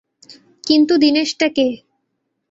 কিন্তু দিনেশটা কে?